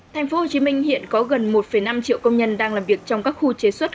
thành phố hồ chí minh hiện có gần một năm triệu công nhân đang làm việc trong các khu chế xuất